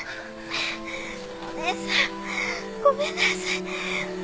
お姉さんごめんなさい。